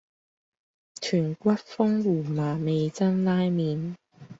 豚骨風胡麻味噌拉麵